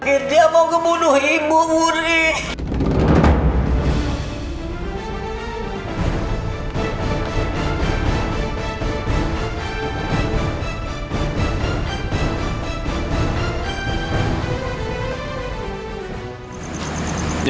akhirnya mau kebunuh ibu wuri